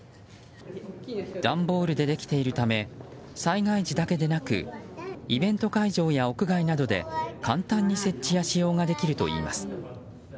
段ボールでできているため災害時だけでなくイベント会場や屋外などで簡単に設置や使用ができるといいます。